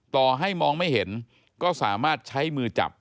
ต่อให้มองไม่เห็นก็สามารถใช้มือจับ